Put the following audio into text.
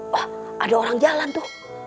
wah ada orang jalan tuh